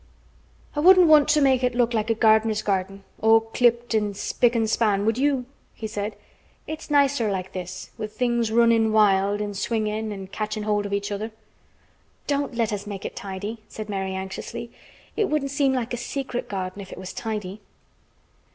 "I wouldn't want to make it look like a gardener's garden, all clipped an' spick an' span, would you?" he said. "It's nicer like this with things runnin' wild, an' swingin' an' catchin' hold of each other." "Don't let us make it tidy," said Mary anxiously. "It wouldn't seem like a secret garden if it was tidy."